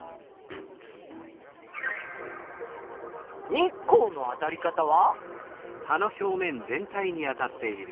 日光のあたり方は？